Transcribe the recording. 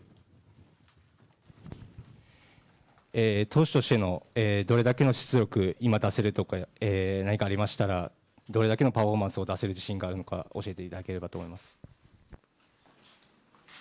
投手としてのどれだけの出力、今出せるところで何かありましたら、どれだけのパフォーマンスを出せる自信があるのか教えていただければと思います。